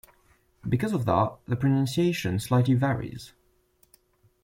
Because of that, the pronunciation slightly varies.